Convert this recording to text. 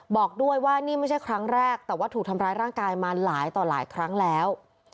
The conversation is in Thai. บอกด้วยว่านี่ไม่ใช่ครั้งแรกแต่ว่าถูกทำร้ายร่างกายมาหลายต่อหลายครั้งแล้ว